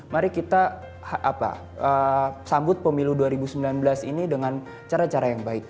mari kita sambut pemilu dua ribu sembilan belas ini dengan cara cara yang baik